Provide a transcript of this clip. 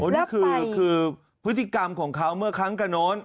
นี่คือพฤติกรรมของเขาเมื่อครั้งกระโน้น